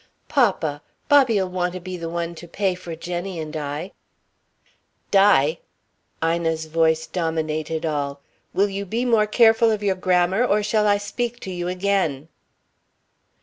"Papa! Bobby'll want to be the one to pay for Jenny and I " "Di!" Ina's voice dominated all. "Will you be more careful of your grammar or shall I speak to you again?"